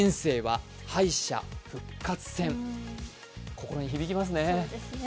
心に響きますね。